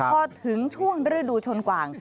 พอถึงช่วงฤดูชนกว่าง